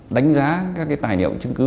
đánh giá các tài liệu chứng cứ